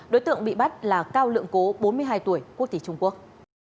đối tượng bị bắt là cao lượng cố bốn mươi hai tuổi quốc tịch trung quốc